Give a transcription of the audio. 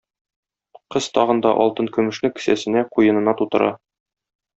Кыз тагын да алтын-көмешне кесәсенә, куенына тутыра.